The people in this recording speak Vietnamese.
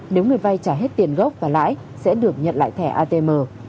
nếu người vay trả hết tiền gốc và lãi sẽ được nhận lại thẻ atm